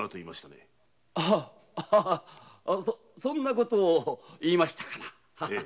イヤそんなこと言いましたかな？